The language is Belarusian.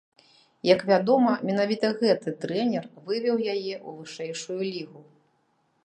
Як вядома, менавіта гэты трэнер вывеў яе ў вышэйшую лігу.